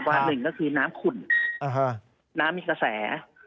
หนึ่งก็คือน้ำขุ่นน้ำมีกระแส